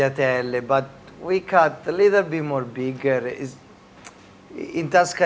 อาหารจากทัสกานีจากครอบครอบครัว